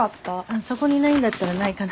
そこにないんだったらないかな。